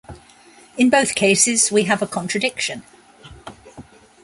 In both cases, we have a contradiction.